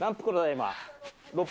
今。